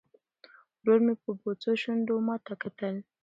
ورور مې په بوڅو شونډو ماته کتل.